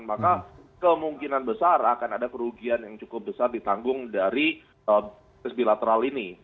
maka kemungkinan besar akan ada kerugian yang cukup besar ditanggung dari bilateral ini